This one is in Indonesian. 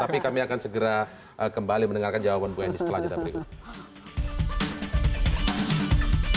tapi kami akan segera kembali mendengarkan jawaban bu eni setelah jeda berikut